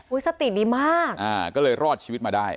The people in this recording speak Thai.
อุ้ยสติดดิมากก็เลยรอดชีวิตมาได้